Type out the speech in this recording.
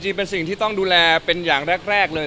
เป็นสิ่งที่ต้องดูแลเป็นอย่างแรกเลย